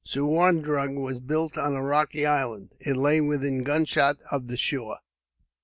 Suwarndrug was built on a rocky island. It lay within gunshot of the shore.